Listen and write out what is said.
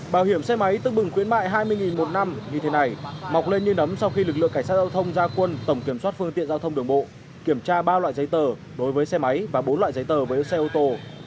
bảo hiểm xe máy tức bừng quyến mại hai mươi một năm như thế này mọc lên như nấm sau khi lực lượng cảnh sát giao thông ra quân tổng kiểm soát phương tiện giao thông đường bộ kiểm tra ba loại giấy tờ đối với xe máy và bốn loại giấy tờ với xe ô tô